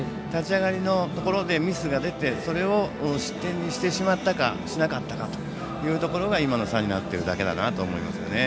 立ち上がりのところでミスが出てそれを失点にしてしまったかしなかったかというのが今の差になっているだけだと思います。